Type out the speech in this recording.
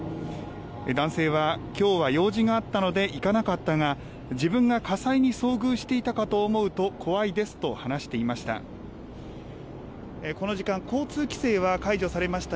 男性は、きょうは用事があったので行かなかったが、自分が火災に遭遇していたかと思うと、怖いですと話していました。